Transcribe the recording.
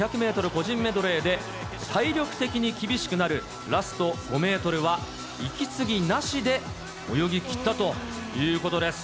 個人メドレーで、体力的に厳しくなるラスト５メートルは、息継ぎなしで泳ぎ切ったということです。